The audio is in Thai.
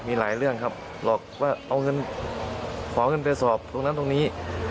มีหลายเรื่องครับหลอกว่าเอาเงินขอเงินไปสอบตรงนั้นตรงนี้